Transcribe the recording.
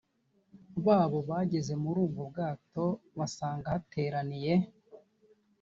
babo bageze muri ubwo bwato basanga hateraniye